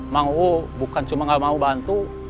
mang uu bukan cuma nggak mau bantu